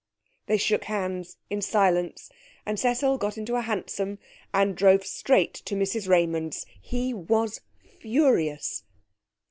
They shook hands in silence, and Cecil got into a hansom and drove straight to Mrs Raymond's. He was furious.